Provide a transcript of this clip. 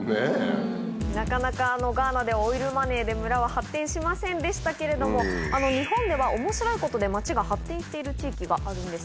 なかなかガーナでオイルマネーで村は発展しませんでしたけれども、日本ではおもしろいことで町が発展している地域があるんです。